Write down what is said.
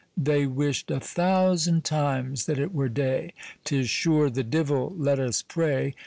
They wished A thousand times that it were day; 'Tis sure the divell! Let us pray.